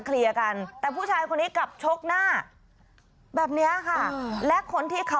เนี่ยคนกราง๒๐๑๙ค่ะคลิปนี้